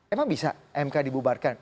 emang bisa mk dibubarkan